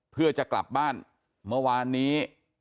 เพื่อจะกลับบ้านเมื่อวานนี้